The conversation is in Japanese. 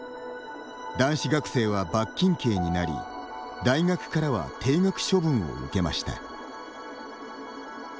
男子学生は罰金刑になり大学からは停学処分を受けました。